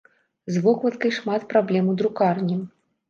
З вокладкай шмат праблем у друкарні.